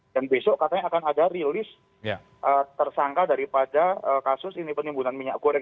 besok katanya akan ada rilis tersangka daripada kasus ini penimbunan minyak goreng